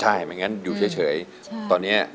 อเรนนี่คือเหตุการณ์เริ่มต้นหลอนช่วงแรกแล้วมีอะไรอีก